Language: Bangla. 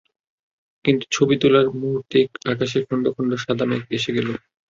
কিন্তু ছবি তোলার মুহূর্তেই আকাশে খণ্ড খণ্ড সাদা মেঘ এসে গেল।